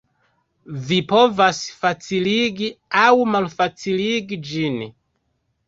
Vi povas faciligi aŭ malfaciligi ĝin.